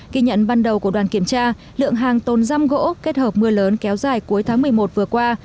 kỳ nhận ban đầu của đoàn kiểm tra lượng hàng tồn răm gỗ kết hợp mưa lớn kéo dài cuối tháng một mươi một vừa qua